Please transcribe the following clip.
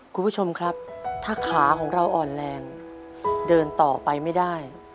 คุณผู้ชมครับถ้าขาของเราอ่อนแรงเดินต่อไปไม่ได้